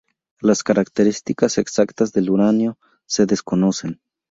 Las características exactas del uranio se desconocen.